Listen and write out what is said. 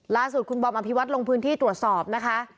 ล่าสุดคุณบอมอภิวัตรลงพื้นที่ตรวจสอบนะคะ